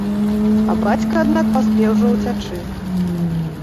А бацька, аднак, паспеў жа ўцячы…